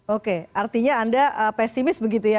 oke artinya anda pesimis begitu ya